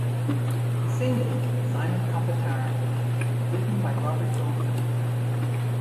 The single "Simon Papa Tara" written by Robert Goldman.